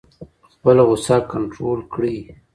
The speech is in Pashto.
خپله غوسه کنټرول کړئ.